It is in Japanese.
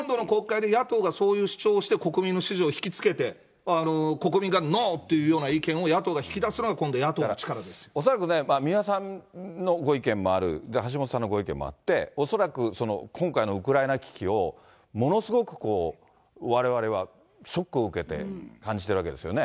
野党がそういう主張をして、国民の支持を引き付けて、国民がノーっていうような意見を野党が引き出すのが、恐らく、三輪さんのご意見もある、橋下さんのご意見もあって、恐らく、今回のウクライナ危機を、ものすごくわれわれはショックを受けて感じてるわけですよね。